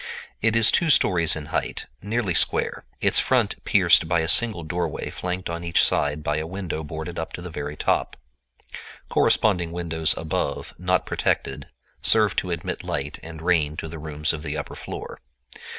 It is two stories in height, nearly square, its front pierced by a single doorway flanked on each side by a window boarded up to the very top. Corresponding windows above, not protected, serve to admit light and rain to the rooms of the upper floor.